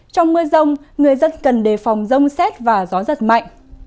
trong mưa rông người dân cần đề phòng rông xét và gió giật mạnh